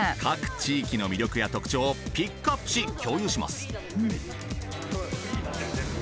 各地域の魅力や特徴をピックアップし共有します。